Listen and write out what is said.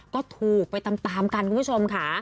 ก็ถูกไปตามกันคุณผู้ชมค่ะ